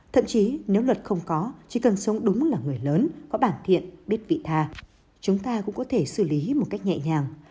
thậm chí nếu luật không có chỉ cần sống đúng là người lớn có bảng thiện biết vị tha chúng ta cũng có thể xử lý một cách nhẹ nhàng